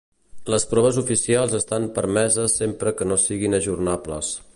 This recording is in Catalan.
Les proves oficials estan permeses sempre que no siguin ajornables.